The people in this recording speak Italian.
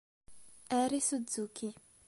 Eri Suzuki